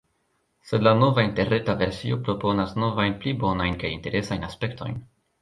Sed la nova interreta versio proponas novajn pli bonajn kaj interesajn aspektojn.